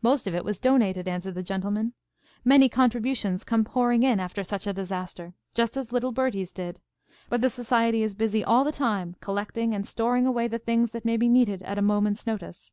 "Most of it was donated," answered the gentleman. "Many contributions come pouring in after such a disaster, just as little Bertie's did. But the society is busy all the time, collecting and storing away the things that may be needed at a moment's notice.